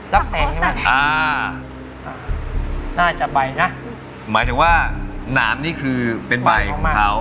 รับแสงใช่ไหมอ่าน่าจะใบนะหมายถึงว่าหนามนี่คือเป็นใบของเขา